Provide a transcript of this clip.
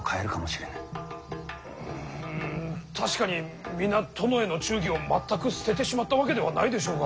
うん確かに皆殿への忠義を全く捨ててしまったわけではないでしょうが。